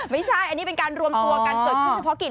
ไม่ใช่อันนี้เป็นการรวมตัวกันเกิดขึ้นเฉพาะกิจ